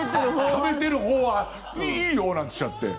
食べてるほうはいいよなんて言っちゃって。